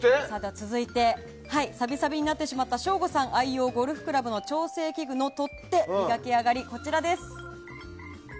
続いてさびさびになってしまった省吾さん愛用ゴルフクラブの調整器具の取っ手の磨き上がりはこちら。